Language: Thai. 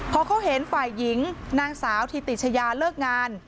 พอเขาเห็นฝ่ายหญิงนางสาวธิติชยาเลิกงาน